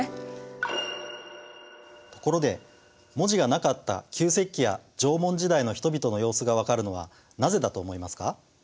ところで文字がなかった旧石器や縄文時代の人々の様子が分かるのはなぜだと思いますか？